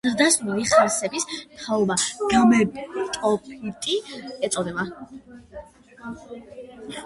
ზრდასრული ხავსების თაობას გამეტოფიტი ეწოდება.